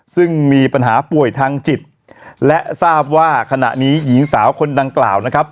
ซึ่งมีปัญหาป่วยทางจิตและทราบว่าขณะนี้หญิงสาวคนดังกล่าวนะครับ